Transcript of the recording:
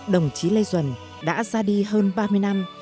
đồng chí lê duẩn đã ra đi hơn ba mươi năm